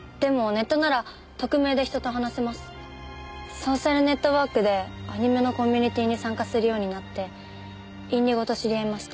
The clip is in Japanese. ソーシャルネットワークでアニメのコミュニティーに参加するようになってＩＮＤＩＧＯと知り合いました。